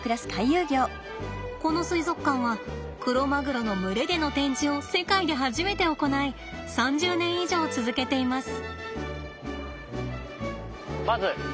この水族館はクロマグロの群れでの展示を世界で初めて行い３０年以上続けています。